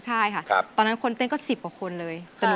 อายุ๒๔ปีวันนี้บุ๋มนะคะ